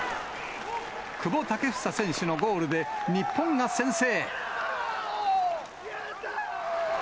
久保建英選手のゴールで日本が先制。